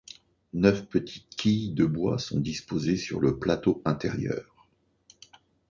Neuf petites quilles de bois sont disposées sur le plateau intérieur.